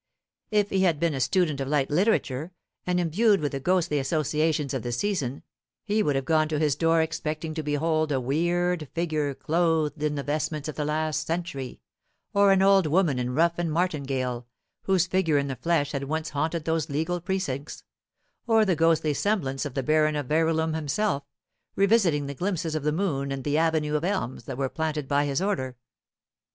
If he had been a student of light literature, and imbued with the ghostly associations of the season, he would have gone to his door expecting to behold a weird figure clothed in the vestments of the last century; or an old woman in ruff and martingale, whose figure in the flesh had once haunted those legal precincts; or the ghostly semblance of the Baron of Verulam himself, revisiting the glimpses of the moon and the avenue of elms that were planted by his order.